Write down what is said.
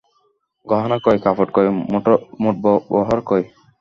গহনা কই, কাপড় কই, মোটবহর কই?